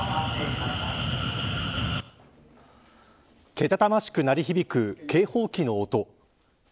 けたたましく鳴り響く警報器の音。